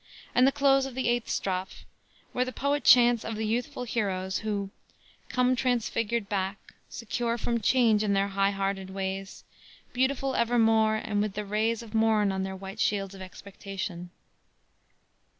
and the close of the eighth strophe, where the poet chants of the youthful heroes who "Come transfigured back, Secure from change in their high hearted ways, Beautiful evermore and with the rays Of morn on their white Shields of Expectation."